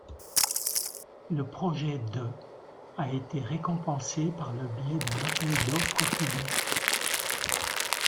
Le projet de a été récompensé par le biais d'un appel d'offres public.